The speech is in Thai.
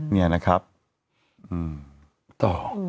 เนี่ยนะครับอืมต่อ